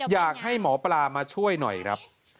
อยากให้หมอปลามาช่วยหน่อยครับ